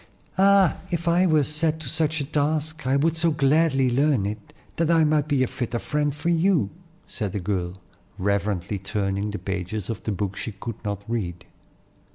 "Ah, if I were set to such a task, I would so gladly learn it, that I might be a fitter friend for you," said the girl, reverently turning the pages of the book she could not read.